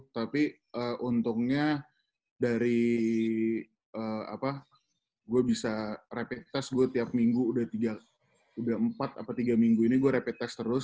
tapi untungnya dari apa gue bisa repeat test gue tiap minggu udah tiga udah empat apa tiga minggu ini gue repeat test terus